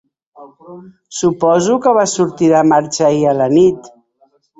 Suposo que vas sortir de marxa ahir a la nit?